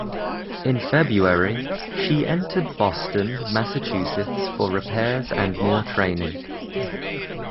In February, she entered Boston, Massachusetts for repairs and more training.